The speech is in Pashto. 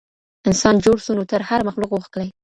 انسان جوړ سو نور تر هر مخلوق وو ښکلی